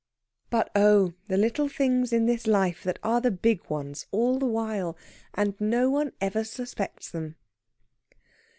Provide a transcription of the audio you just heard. But oh, the little things in this life that are the big ones all the while, and no one ever suspects them!